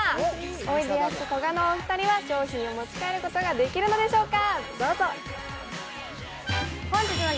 おいでやすこがの２人は商品を持ち帰ることができるんでしょうか。